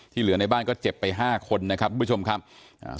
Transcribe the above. เหลือในบ้านก็เจ็บไปห้าคนนะครับทุกผู้ชมครับอ่า